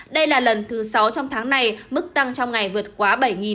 đây là lần thứ sáu trong tháng này mức tăng trong ngày vượt quá bảy